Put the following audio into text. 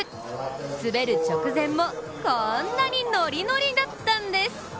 滑る直前もこんなにノリノリだったんです。